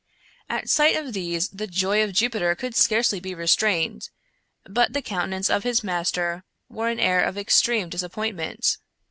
At sight of these the joy of Jupiter could scarcely be restrained, but the countenance of his master wore an air of extreme disappointment.